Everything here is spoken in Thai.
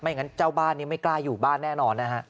งั้นเจ้าบ้านนี้ไม่กล้าอยู่บ้านแน่นอนนะฮะ